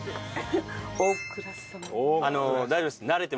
大倉さん。